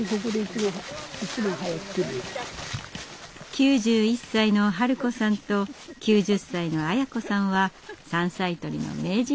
９１歳のハル子さんと９０歳のアヤ子さんは山菜採りの名人です。